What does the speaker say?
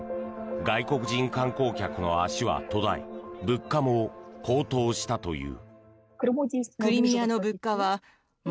外国人観光客の足は途絶え物価も高騰したという。